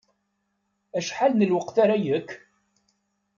Acḥal n lweqt ara yekk?